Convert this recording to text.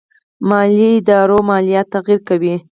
مالي داراییو ماليات تغير کوي.